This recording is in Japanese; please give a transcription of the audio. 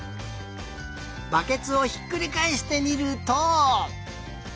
バケツをひっくりかえしてみると。